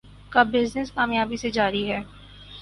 کا بزنس کامیابی سے جاری ہے